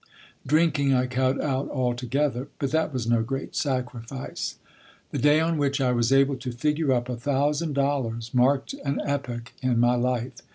Drinking I cut out altogether, but that was no great sacrifice. The day on which I was able to figure up a thousand dollars marked an epoch in my life.